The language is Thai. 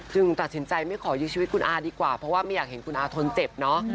ตัดสินใจไม่ขอยื้อชีวิตคุณอาดีกว่าเพราะว่าไม่อยากเห็นคุณอาทนเจ็บเนอะ